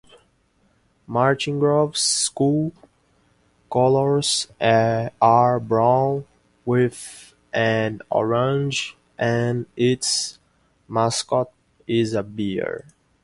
Martingrove's school colours are brown, white and orange and its mascot is a bear.